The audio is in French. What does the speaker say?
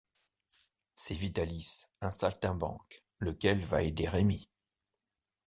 C'est Vitalis, un saltimbanque, lequel va aider Rémi.